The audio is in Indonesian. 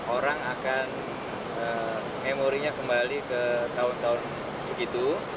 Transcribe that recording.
orang akan memorinya kembali ke tahun tahun segitu